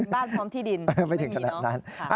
บ้านพร้อมที่ดินไม่มีเนอะ